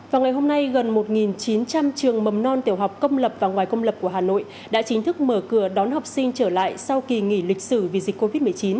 vào ngày hôm nay gần một chín trăm linh trường mầm non tiểu học công lập và ngoài công lập của hà nội đã chính thức mở cửa đón học sinh trở lại sau kỳ nghỉ lịch sử vì dịch covid một mươi chín